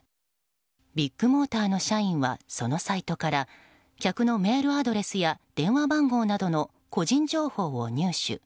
ビッグモーターの社員はそのサイトから客のメールアドレスや電話番号などの個人情報を入手。